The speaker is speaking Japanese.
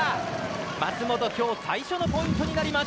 舛本、今日最初のポイントになります。